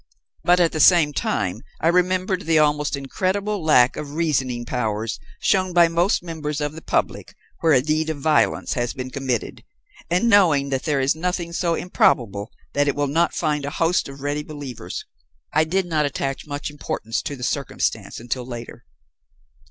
But at the same time I remembered the almost incredible lack of reasoning powers shown by most members of the public where a deed of violence has been committed, and knowing that there is nothing so improbable that it will not find a host of ready believers, I did not attach much importance to the circumstance until later.